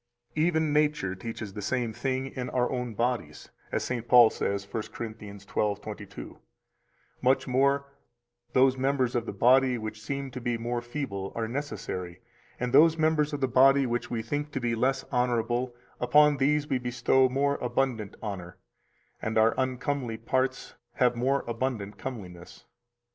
287 Even nature teaches the same thing in our own bodies, as St. Paul says, 1 Cor. 12:22: Much more, those members of the body which seem to be more feeble are necessary; and those members of the body which we think to be less honorable, upon these we bestow more abundant honor; and our uncomely parts have more abundant comeliness.